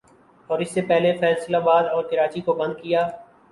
اور اس سے پہلے فیصل آباد اور کراچی کو بند کیا